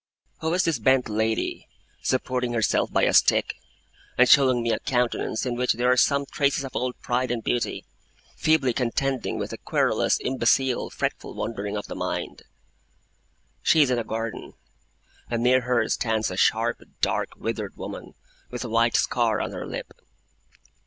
Who is this bent lady, supporting herself by a stick, and showing me a countenance in which there are some traces of old pride and beauty, feebly contending with a querulous, imbecile, fretful wandering of the mind? She is in a garden; and near her stands a sharp, dark, withered woman, with a white scar on her lip.